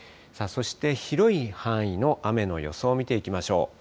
そして広い範囲の雨の予想を見ていきましょう。